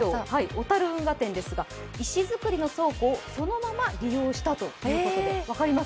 小樽運河店ですが、石造りの倉庫をそのまま利用したということで、分かります？